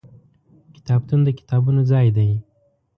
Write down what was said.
کتابتون د کتابونو ځای دی.